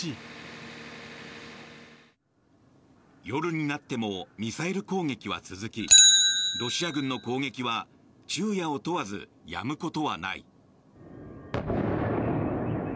夜になってもミサイル攻撃は続きロシア軍の攻撃は昼夜を問わずやむことはない。